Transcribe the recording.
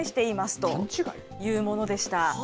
というものでした。